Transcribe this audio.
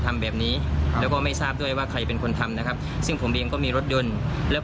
ทำแบบนี้แล้วก็ไม่ทราบด้วยว่าใครเป็นคนทำนะครับซึ่งผมเองก็มีรถยนต์แล้ว